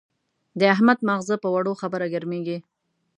د احمد ماغزه په وړه خبره ګرمېږي.